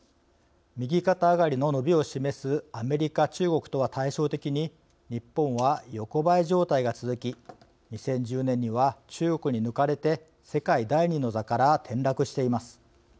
右肩上がりの伸びを示すアメリカ中国とは対照的に日本は横ばい状態が続き２０１０年には中国に抜かれて世界第２位の座から転落しています。